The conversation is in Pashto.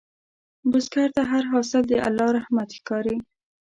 بزګر ته هر حاصل د الله رحمت ښکاري